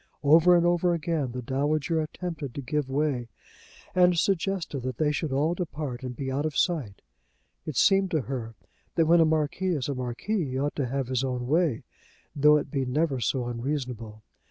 Over and over again the dowager attempted to give way, and suggested that they should all depart and be out of sight. It seemed to her that when a marquis is a marquis he ought to have his own way, though it be never so unreasonable.